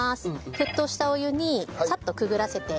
沸騰したお湯にサッとくぐらせていきます。